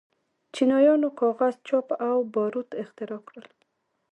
چینایانو کاغذ، چاپ او باروت اختراع کړل.